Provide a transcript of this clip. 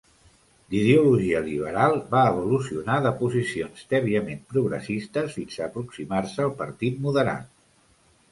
D'ideologia liberal, va evolucionar de posicions tèbiament progressistes fins a aproximar-se al Partit Moderat.